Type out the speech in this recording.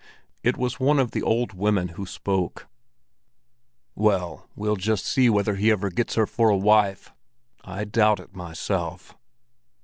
It was one of the old women who spoke. "Well, we'll just see whether he ever gets her for a wife. I doubt it myself.